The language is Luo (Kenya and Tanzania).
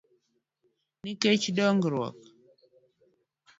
Nikech dongruok m